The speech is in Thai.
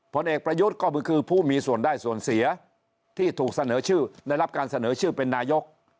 ผลเอกประยุทธ์ก็คือผู้มีส่วนได้ส่วนเสียที่ถูกเสนอชื่อได้รับการเสนอชื่อเป็นนายก